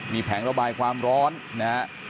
มีแผงระบายความร้อนนะฮะ